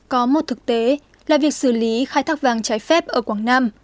có một thực tế là việc xử lý khai thác vàng trái phép ở quảng nam